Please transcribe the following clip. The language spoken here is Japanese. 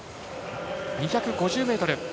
２５０ｍ。